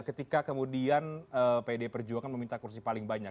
ketika kemudian pd perjuangan meminta kursi paling banyak